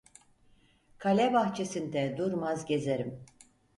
Kale bahçesinde durmaz gezerim.